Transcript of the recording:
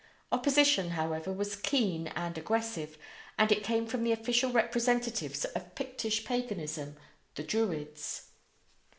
Opposition, however, was keen and aggressive, and it came from the official representatives of Pictish paganism the Druids.